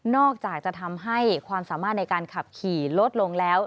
อกจากจะทำให้ความสามารถในการขับขี่ลดลงแล้ว